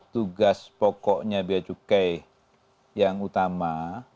tugas pokoknya biaya cukai yang utama